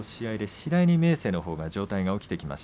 次第に明生のほうが上体は起きてきます。